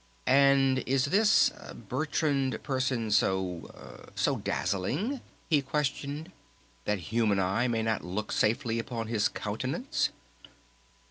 "And is this 'Bertrand' person so ... so dazzling," he questioned, "that human eye may not look safely upon his countenance?"